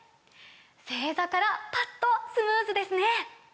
正座からパッとスムーズですね！